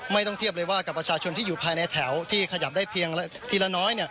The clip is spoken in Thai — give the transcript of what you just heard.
เทียบเลยว่ากับประชาชนที่อยู่ภายในแถวที่ขยับได้เพียงทีละน้อย